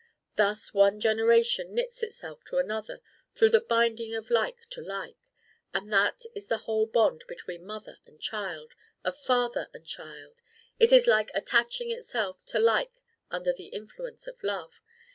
Thus one generation knits itself to another through the binding of like to like; and that is the whole bond between mother and child or father and child: it is like attaching itself to like under the influence of love.